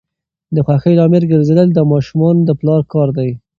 د خوښۍ لامل ګرځیدل د ماشومانو د پلار کار دی.